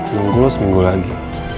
nunggu lo seminggu lagi